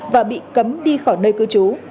và bị cấm đi khỏi nơi cư trú